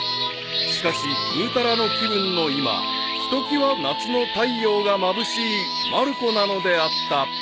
［しかしぐうたらの気分の今ひときわ夏の太陽がまぶしいまる子なのであった］